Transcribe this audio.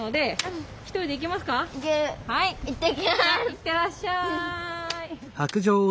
いってらっしゃい。